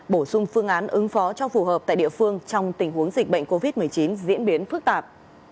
bổ sung phương án ứng phó cho phù hợp tại địa phương trong tình huống dịch bệnh covid một mươi chín diễn biến phức tạp